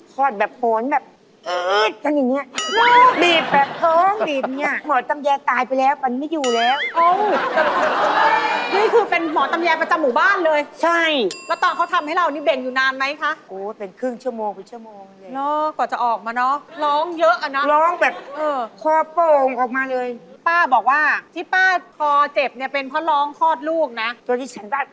ครอบแบบโอ๊ยแบบอี้กันอย่างเนี่ยปีบแบบเกิงปีบเนี่ย